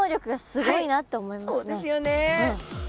そうですよね！